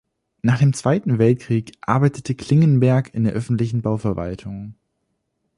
Nach dem Zweiten Weltkrieg arbeitete Klingenberg in der öffentlichen Bauverwaltung.